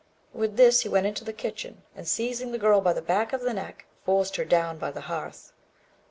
With this he went into the kitchen, and, seizing the girl by the back of the neck, forced her down by the hearth.